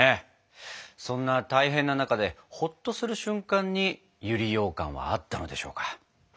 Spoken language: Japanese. そんな大変な中でほっとする瞬間に百合ようかんはあったのでしょうか。